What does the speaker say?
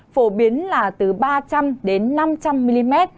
phổ biến là từ ba trăm linh đến năm trăm linh mm